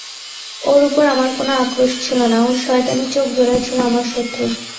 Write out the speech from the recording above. ওর ওপর আমার কোনো আক্রোশ ছিল না, ওর শয়তানি চোখজোড়াই ছিল আমার শত্রু।